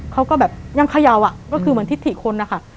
เขาก็แบบยังเขย่าก็คือเหมือนทิศถิคนนะคะ